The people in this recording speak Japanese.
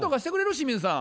清水さん。